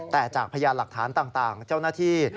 แต่จากพยานหลักฐานต่างเจ้าหน้าที่